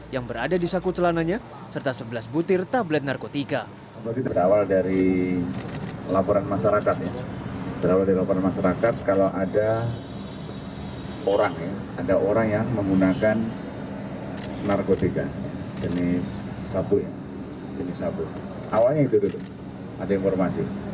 yang berada di saku celananya serta sebelas butir tablet narkotika